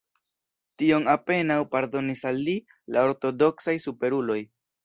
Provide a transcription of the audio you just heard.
Tion apenaŭ pardonis al li la ortodoksaj superuloj.